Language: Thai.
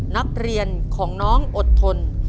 นักเรียนของน้องอดทน